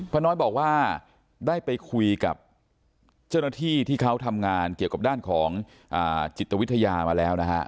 น้อยบอกว่าได้ไปคุยกับเจ้าหน้าที่ที่เขาทำงานเกี่ยวกับด้านของจิตวิทยามาแล้วนะฮะ